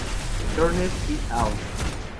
Turner et al.